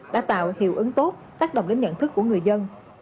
đã tạo hiệu ứng tốt tác động đến nhận thức của người dân